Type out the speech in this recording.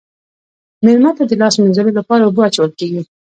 میلمه ته د لاس مینځلو لپاره اوبه اچول کیږي.